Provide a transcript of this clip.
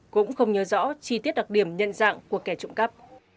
cũng không nhớ rõ chi tiết đặc điểm nhận dạng của kẻ trộm cắp